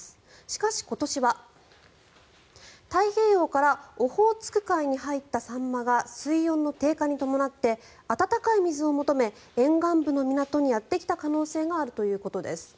しかし今年は、太平洋からオホーツク海に入ったサンマが水温の低下に伴って温かい水を求め沿岸部の港にやってきた可能性があるということです。